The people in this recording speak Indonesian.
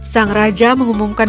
sang raja mengumumkan